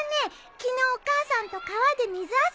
昨日お母さんと川で水遊びをしたよ。